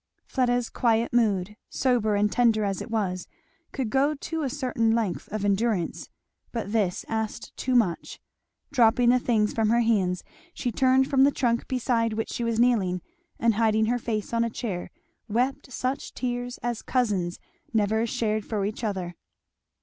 Fleda's quiet mood, sober and tender as it was, could go to a certain length of endurance, but this asked too much. Dropping the things from her hands, she turned from the trunk beside which she was kneeling and hiding her face on a chair wept such tears as cousins never shed for each other.